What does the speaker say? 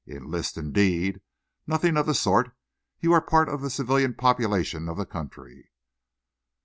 Enlist, indeed! Nothing of the sort. You are part of the civilian population of the country."